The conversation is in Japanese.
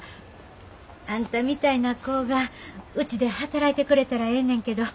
あんたみたいな子がうちで働いてくれたらええねんけど。